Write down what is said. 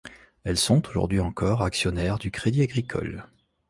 Elles sont aujourd'hui encore actionnaires du Crédit agricole.